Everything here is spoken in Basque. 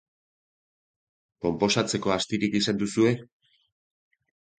Konposatzeko astirik izan duzue?